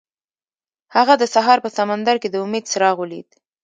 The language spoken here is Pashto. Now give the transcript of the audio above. هغه د سهار په سمندر کې د امید څراغ ولید.